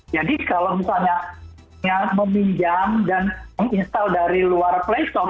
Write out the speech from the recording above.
jadi kalau misalnya yang meminjam dan menginstal dari luar playstore